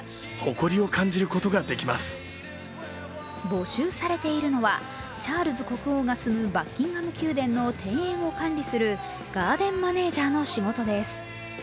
募集されているのはチャールズ国王が住むバッキンガム宮殿の庭園を管理するガーデンマネージャーの仕事です。